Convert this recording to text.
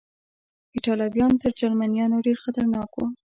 ایټالویان تر جرمنیانو ډېر خطرناک و.